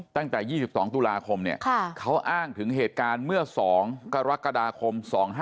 ตั้งแต่๒๒ตุลาคมเขาอ้างถึงเหตุการณ์เมื่อ๒กรกฎาคม๒๕๕๙